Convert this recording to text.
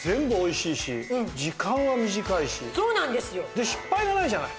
で失敗がないじゃない。